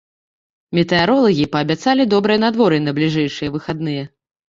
Метэаролагі паабяцалі добрае надвор'е на бліжэйшыя выхадныя.